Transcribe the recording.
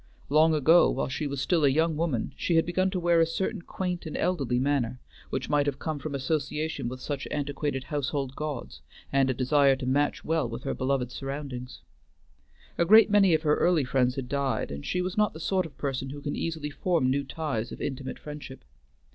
Long ago, while she was still a young woman, she had begun to wear a certain quaint and elderly manner, which might have come from association with such antiquated household gods and a desire to match well with her beloved surroundings. A great many of her early friends had died, and she was not the sort of person who can easily form new ties of intimate friendship.